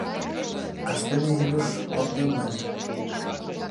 Кастене Илюш, кондем, мане.